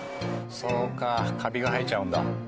そうかカビが生えちゃうんだ。